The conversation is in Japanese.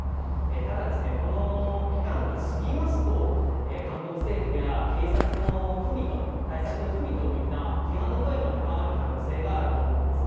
ただ、この期間が過ぎますと、韓国政府や警察の不備と、対策の不備ともいった批判の声も高まる可能性があると思います。